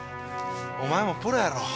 お前もプロやろ。